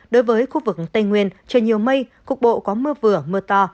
đối với khu vực tây nguyên trời nhiều mây cục bộ có mưa vừa mưa to